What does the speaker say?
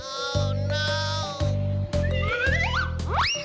โอ้น้าว